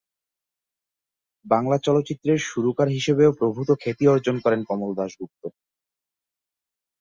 বাংলা চলচ্চিত্রের সুরকার হিসেবেও প্রভূত খ্যাতি অর্জন করেন কমল দাশগুপ্ত।